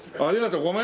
ありがとう。